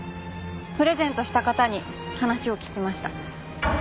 プレゼントした方に話を聞きました。